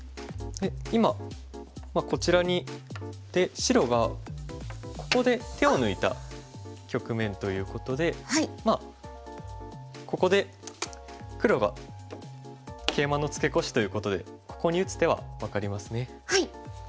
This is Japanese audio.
今こちらに打って白がここで手を抜いた局面ということでまあここで黒がケイマのツケコシということでここに打つ手は分かりますね。